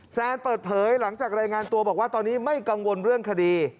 แซนเปิดเผยหลังจากรายงานตัวบอกว่าตอนนี้ไม่กังวลเรื่องคดี